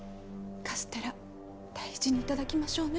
カステラ大事に頂きましょうね。